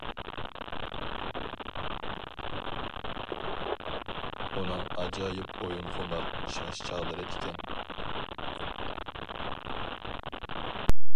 ئۇنىڭ ئاجايىپ ئويۇنخۇمار شاش چاغلىرى ئىكەن.